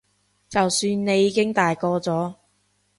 就算你已經大個咗